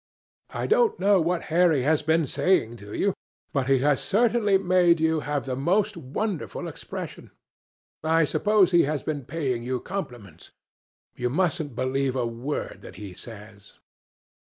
I don't know what Harry has been saying to you, but he has certainly made you have the most wonderful expression. I suppose he has been paying you compliments. You mustn't believe a word that he says."